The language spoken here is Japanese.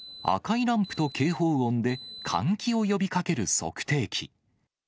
赤いランプと警報音で換気を呼びかける測定器。